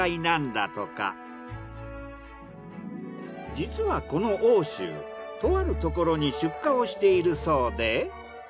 実はこの王秋とあるところに出荷をしているそうで。